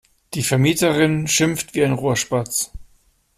Die Vermieterin schimpft wie ein Rohrspatz.